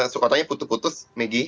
soalnya putus putus megi